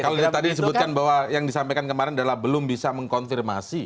kalau tadi disebutkan bahwa yang disampaikan kemarin adalah belum bisa mengkonfirmasi